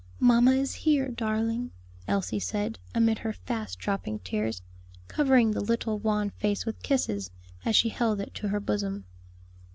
"Mamma is here, darling," Elsie said, amid her fast dropping tears, covering the little wan face with kisses, as she held it to her bosom.